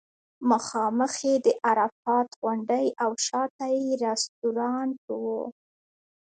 مخامخ یې د عرفات غونډۍ او شاته یې رستورانټ و.